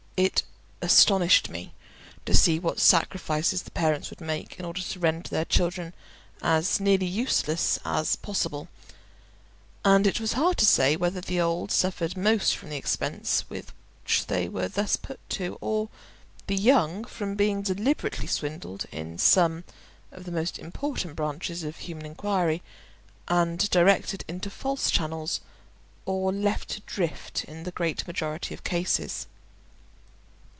It astonished me to see what sacrifices the parents would make in order to render their children as nearly useless as possible; and it was hard to say whether the old suffered most from the expense which they were thus put to, or the young from being deliberately swindled in some of the most important branches of human inquiry, and directed into false channels or left to drift in the great majority of cases.